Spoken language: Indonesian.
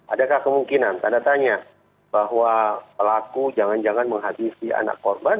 adakah kemungkinan tanda tanya bahwa pelaku jangan jangan menghabisi anak korban